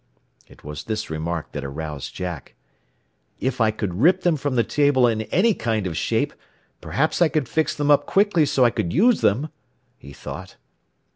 It was this remark that aroused Jack. "If I could rip them from the table in any kind of shape, perhaps I could fix them up quickly so I could use them," he thought.